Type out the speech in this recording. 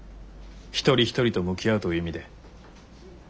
一人一人と向き合うという意味で。